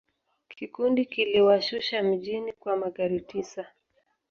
Kikundi kiliwashusha mjini kwa magari tisa.